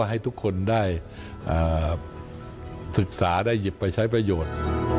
ให้ทุกคนได้ศึกษาได้หยิบไปใช้ประโยชน์